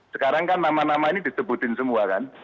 sekarang kan nama nama ini disebutin semua kan